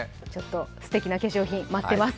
すてきな化粧品、待ってます。